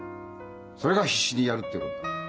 それが必死にやるってことだ。